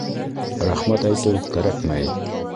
Рәхмәт әйтеү кәрәкмәй